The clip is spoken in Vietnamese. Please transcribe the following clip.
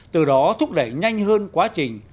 từ đó thúc đẩy nhanh hơn quá trình